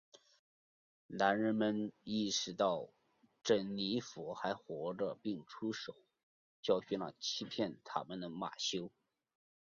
男人们意识到珍妮佛还活着并出手教训了欺骗他们的马修。